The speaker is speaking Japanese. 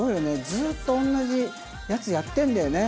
ずっと同じやつやってるんだよね。